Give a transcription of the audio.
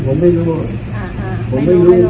ผมไม่รู้ไม่รู้จริง